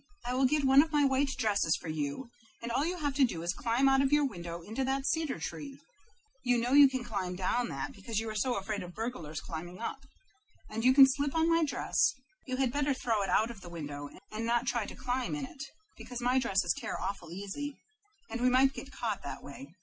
I will get one of my white dresses for you, and all you have to do is to climb out of your window into that cedar tree you know you can climb down that, because you are so afraid of burglars climbing up and you can slip on my dress; you had better throw it out of the window and not try to climb in it, because my dresses tear awful easy, and we might get caught that way.